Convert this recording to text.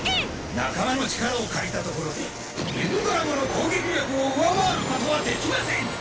仲間の力を借りたところでユグドラゴの攻撃力を上回ることはできません！